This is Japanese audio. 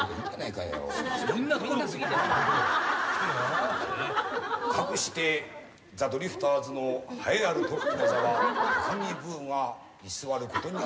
かくしてザ・ドリフターズの栄えあるトップの座は高木ブーが居座ることに相成りました。